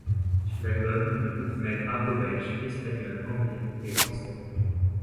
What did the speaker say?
Sur l'album, le groupe mêle argot belge, espagnol, anglais et français.